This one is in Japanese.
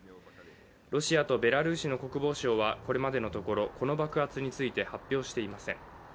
ロシアとベラルーシの国防省はこれまでのところこの爆発について発表していません。